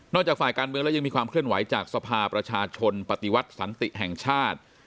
จากฝ่ายการเมืองแล้วยังมีความเคลื่อนไหวจากสภาประชาชนปฏิวัติสันติแห่งชาติ